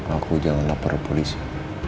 aku jangan lapar polisi